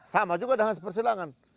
sama juga dengan persilangan